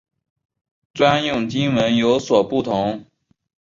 专用经文有所不同。